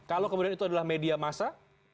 kalau kemudian itu adalah media massa